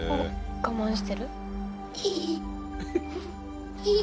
我慢してる？